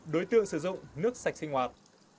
đối tượng sử dụng nước sạch sinh hoạt